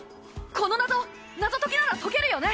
この謎なぞトキなら解けるよね。